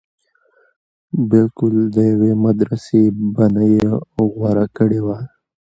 بلکل د يوې مدرسې بنه يې غوره کړې وه.